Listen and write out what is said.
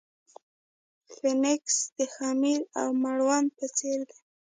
فنګس د خمیر او مړوند په څېر دي.